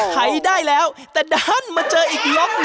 ขายได้แล้วแต่ดันมาเจออีกยอดหน่อย